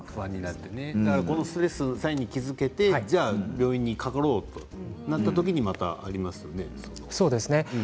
だからこういうストレスの際に気付けて病院にかかろうという時にまた何かありますよね。